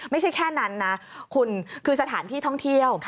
ไม่ใช่แค่นั้นนะคุณคือสถานที่ท่องเที่ยว